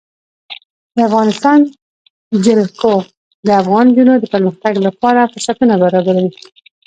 د افغانستان جلکو د افغان نجونو د پرمختګ لپاره فرصتونه برابروي.